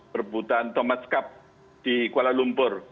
perbutan thomas cup di kuala lumpur